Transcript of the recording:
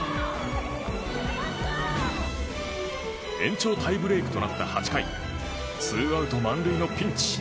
延長タイブレークとなった８回ツーアウト満塁のピンチ。